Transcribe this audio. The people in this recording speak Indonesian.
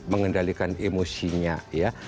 mengendalikan emosinya ya